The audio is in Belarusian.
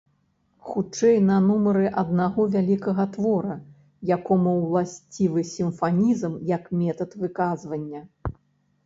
Хутчэй на нумары аднаго вялікага твора, якому ўласцівы сімфанізм як метад выказвання.